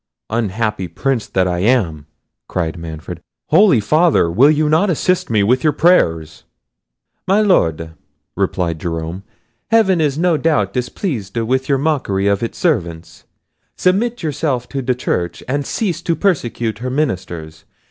"Unhappy Prince that I am," cried Manfred. "Holy Father! will you not assist me with your prayers?" "My Lord," replied Jerome, "heaven is no doubt displeased with your mockery of its servants. Submit yourself to the church; and cease to persecute her ministers.